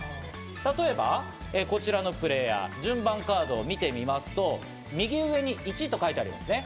例えばこちらのプレーヤー、順番カードを見てみますと、右上に１と書いてありますね。